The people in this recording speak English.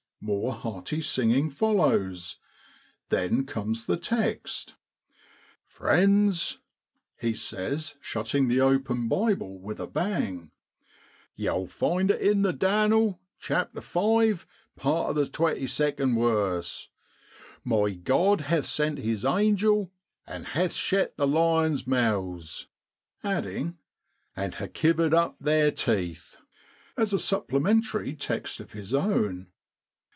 More hearty singing follows. Then comes the text. ' Friends,' he says, shutting the open Bible with a bang, l yow'll find it in the Dan'l v., part of the 22nd wearse, ' My God hath sent His angel, and hath shet the lions' mouths,' adding, ' and ha' kivered up theer teeth,' as a supplementary text of his own.